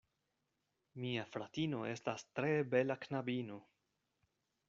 Mia fratino estas tre bela knabino.